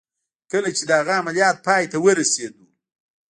کله چې د هغه عملیات پای ته ورسېد